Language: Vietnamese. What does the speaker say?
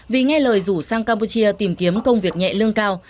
vì nghe lời rủ sang campuchia tìm kiếm công việc nhẹ lương cao